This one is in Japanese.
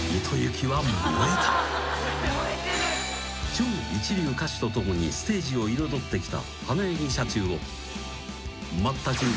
［超一流歌手と共にステージを彩ってきた］